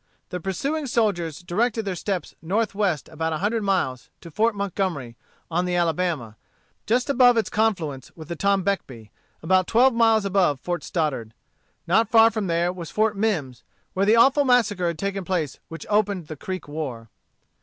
The pursuing soldiers directed their steps northwest about a hundred miles to Fort Montgomery, on the Alabama, just above its confluence with the Tornbeckbee, about twelve miles above Fort Stoddart. Not far from there was Fort Mimms, where the awful massacre had taken place which opened the Creek war.